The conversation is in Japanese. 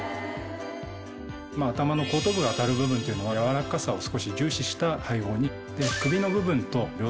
頭の後頭部が当たる部分っていうのはやわらかさを少し重視した配合に。